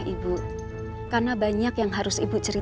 kita paham apa realistic lah